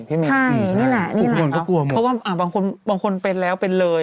เพราะว่าบางคนเป็นแล้วเป็นเลย